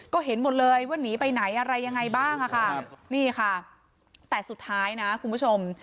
ก็เห็นหมดเลยว่าหนีไปไหนอะไรยังไงบ้างค่ะนี่ค่ะแต่สุดท้ายนะคุณผู้ชม